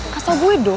kasih gue dong